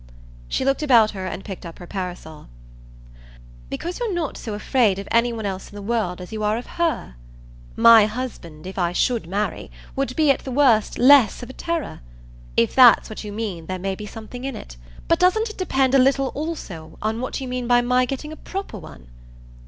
She looked about her and picked up her parasol. "Because you're not so afraid of any one else in the world as you are of HER? My husband, if I should marry, would be at the worst less of a terror? If that's what you mean there may be something in it. But doesn't it depend a little also on what you mean by my getting a proper one?